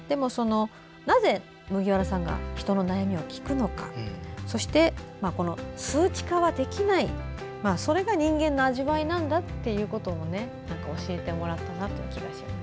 なぜ麦わらさんが人の悩みを聞くのかそして、数値化ができないことそれが人間の味わいなんだと教えてもらったなという気がします。